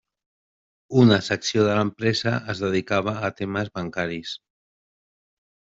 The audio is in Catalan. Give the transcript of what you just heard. Una secció de l'empresa es dedicava a temes bancaris.